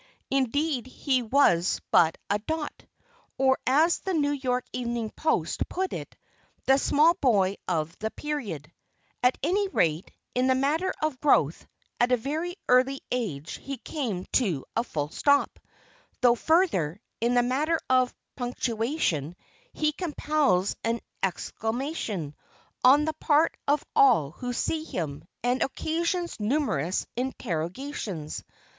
Indeed he was but a "dot" or as the New York Evening Post put it, the small boy of the "period" at any rate, in the matter of growth, at a very early age he came to a "full stop;" though further, in the matter of punctuation, he compels an "exclamation" on the part of all who see him, and occasions numerous "interrogations."